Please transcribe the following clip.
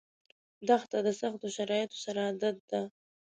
دښته د سختو شرایطو سره عادت ده.